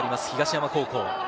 東山高校。